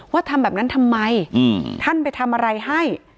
ทำแบบนั้นทำไมท่านไปทำอะไรให้